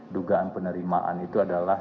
dugaan penerimaan itu adalah